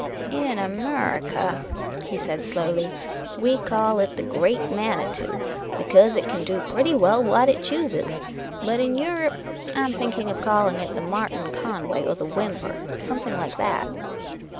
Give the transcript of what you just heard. "In Amurrica," he said, slowly, " we call it the Great Manitou, because it kin do pretty well what it chooses ; but in Europe, I am thinking of calling it the Martin Conway or the Whymper, or something like that."